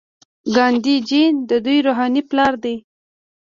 ګاندي جی د دوی روحاني پلار دی.